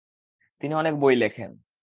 তিনি অনেক বই লেখেন।